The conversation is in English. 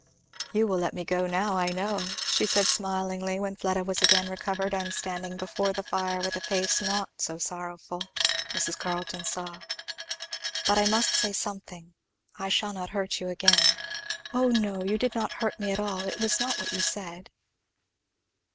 "You will let me go now, I know," she said smilingly, when Fleda was again recovered and standing before the fire with a face not so sorrowful, Mrs. Carleton saw. "But I must say something I shall not hurt you again." "Oh no, you did not hurt me at all it was not what you said."